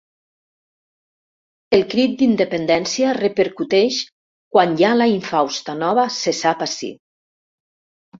El crit d'independència repercuteix quan ja la infausta nova se sap ací.